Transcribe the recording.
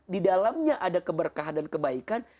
di dalamnya ada keberkahan dan kebaikan